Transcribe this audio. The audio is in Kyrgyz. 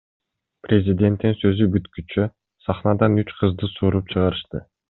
Президенттин сөзү бүткүчө сахнадан үч кызды сууруп чыгарышты.